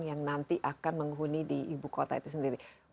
yang nanti akan menghuni di ibu kota itu sendiri